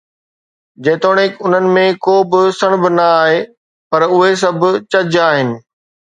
جيتوڻيڪ انهن ۾ ڪو به سڻڀ نه آهي، پر اهي سڀ چج آهن.